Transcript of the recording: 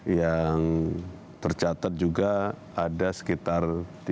yang tercatat juga ada sekitar tiga puluh enam